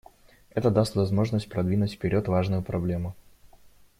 Это даст возможность продвинуть вперед важную проблему.